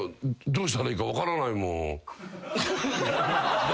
「どうしたらいいか分からないもん」